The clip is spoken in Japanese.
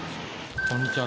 こんにちは。